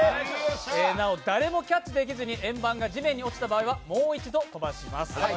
なお、誰もキャッチできずに円盤が地面に落ちた場合は、もう一度、飛ばします。